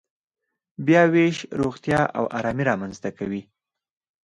بیاوېش روغتیا او ارامي رامنځته کوي.